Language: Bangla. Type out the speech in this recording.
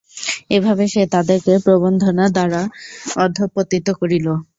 এভাবে সে তাদেরকে প্রবন্ধনা দ্বারা অধঃপতিত করল।